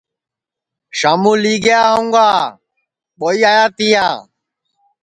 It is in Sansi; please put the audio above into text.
شاموں لیا ہؤگا ٻوئی آیا تیا